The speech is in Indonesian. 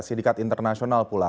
sindikat internasional pula